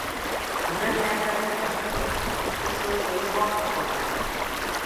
Urre meatzeak ere bazituen, oso ez ohikoak Japonian.